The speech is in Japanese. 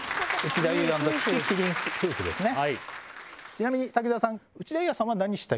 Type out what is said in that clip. ちなみに滝沢さん。